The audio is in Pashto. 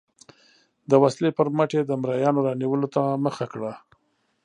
د وسلې پر مټ یې د مریانو رانیولو ته مخه کړه.